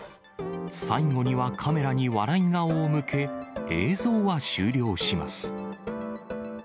最後にはカメラに笑い顔を向け、映像は終了します。